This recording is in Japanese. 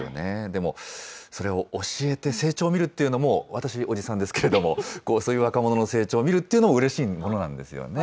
でも、それを教えて成長を見るっていうのも、私、おじさんですけれども、そういう若者の成長を見るというのも、うれしいものなんですよね。